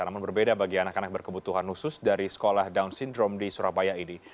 namun berbeda bagi anak anak berkebutuhan khusus dari sekolah down syndrome di surabaya ini